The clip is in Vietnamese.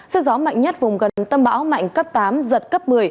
sức gió mạnh nhất vùng gần tâm bão mạnh cấp tám giật cấp một mươi